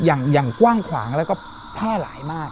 อย่างกว้างขวางแล้วก็แพร่หลายมาก